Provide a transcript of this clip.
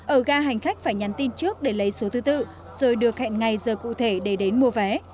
ở ga hành khách phải nhắn tin trước để lấy số thứ tự rồi được hẹn ngày giờ cụ thể để đến mua vé